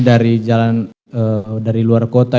dari jalan dari luar kota